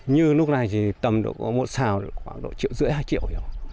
như lúc này thì tầm độ có một xào khoảng một triệu rưỡi hai triệu